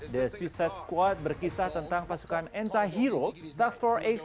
the suicide squad berkisah tentang pasukan anti hero task force x